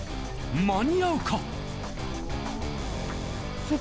間に合うか！？